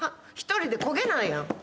１人でこげないやん。